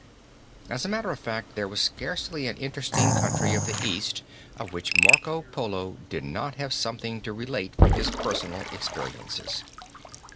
As a matter of fact there was scarcely an interesting country of the East of which Marco Polo did not have something to relate from his personal experiences.